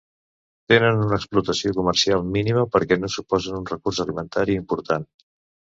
Tenen una explotació comercial mínima perquè no suposen un recurs alimentari important.